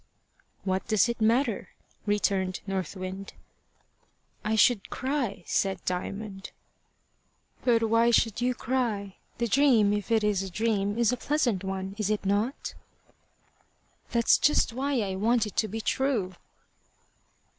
"What does it matter?" returned North Wind. "I should, cry" said Diamond. "But why should you cry? The dream, if it is a dream, is a pleasant one is it not?" "That's just why I want it to be true."